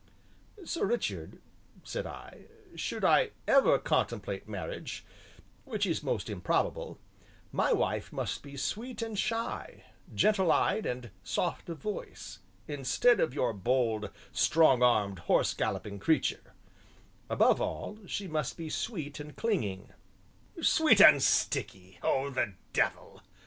"Sir Richard," said I, "should I ever contemplate marriage, which is most improbable, my wife must be sweet and shy, gentle eyed and soft of voice, instead of your bold, strong armed, horse galloping creature; above all, she must be sweet and clinging " "Sweet and sticky, oh, the devil!